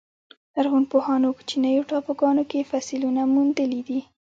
لرغونپوهانو کوچنیو ټاپوګانو کې فسیلونه موندلي دي.